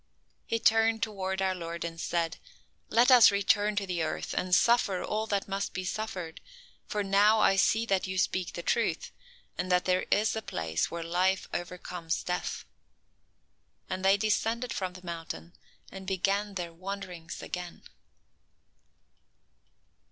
He turned toward our Lord and said: "Let us return to the earth and suffer all that must be suffered, for now I see that you speak the truth, and that there is a place where Life overcomes death." And they descended from the mountain and began their wanderings again.